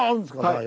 はい。